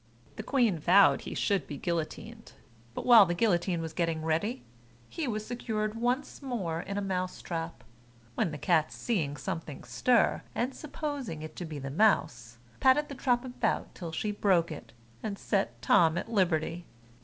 The queen vowed he should be guillotined: but while the guillotine was getting ready, he was secured once more in a mouse trap; when the cat seeing something stir, and supposing it to be the mouse, patted the trap about till she broke it, and set Tom at liberty.